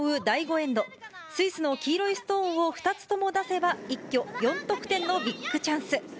第５エンド、スイスの黄色いストーンを２つとも出せば、一挙４得点のビッグチャンス。